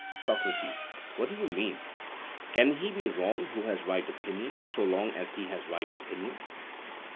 SOCRATES: What do you mean? Can he be wrong who has right opinion, so long as he has right opinion?